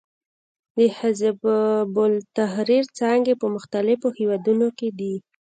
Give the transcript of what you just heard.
د حزب التحریر څانګې په مختلفو هېوادونو کې دي.